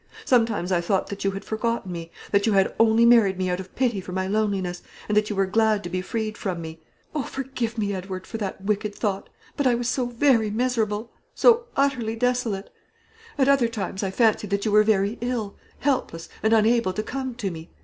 Sometimes I thought that you had forgotten me; that you had only married me out of pity for my loneliness; and that you were glad to be freed from me. Oh, forgive me, Edward, for that wicked thought; but I was so very miserable, so utterly desolate. At other times I fancied that you were very ill, helpless, and unable to come to me.